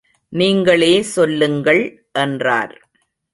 நீங்களே சொல்லுங்கள் என்றார்.